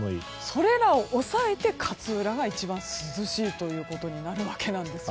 それらを抑えて勝浦が一番涼しいということになるわけなんです。